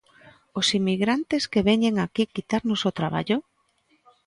Os inmigrantes que veñen aquí quitarnos o traballo?